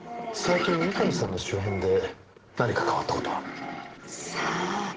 最近三上さんの周辺で何か変わった事は？さあ。